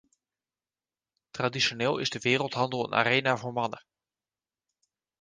Traditioneel is de wereldhandel een arena voor mannen.